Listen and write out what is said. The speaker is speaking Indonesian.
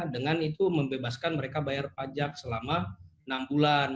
dengan itu membebaskan mereka bayar pajak selama enam bulan